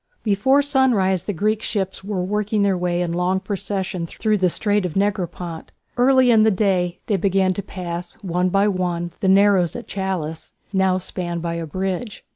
Before sunrise the Greek ships were working their way in long procession through the Strait of Negropont. Early in the day they began to pass one by one the narrows at Chalcis, now spanned by a bridge.